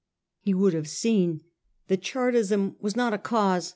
He would have seen that Chartism was not a cause 1839.